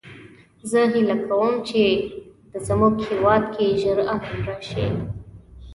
زه هیله کوم چې د مونږ هیواد کې ژر امن راشي